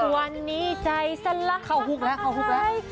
วันนี้ใจสละท้าย